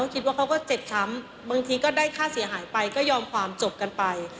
คิดว่าเขาก็เจ็บช้ำบางทีก็ได้ค่าเสียหายไปก็ยอมความจบกันไป